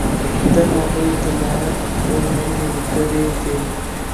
د هغوی اطلاعات دونه نیمګړي دي.